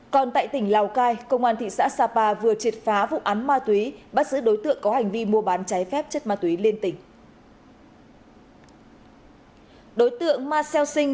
còn tại tỉnh lào cai công an thị xã sapa vừa triệt phá vụ án ma túy bắt giữ đối tượng có hành vi mua bán cháy phép chất ma túy liên tỉnh